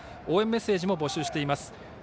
応援メッセージも募集しています。